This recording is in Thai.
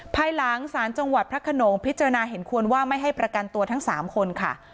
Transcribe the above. ภายหลังศาลจังหวัดพระขนงพิจารณาเห็นควรว่าไม่ให้ประกันตัวทั้ง๓คนค่ะ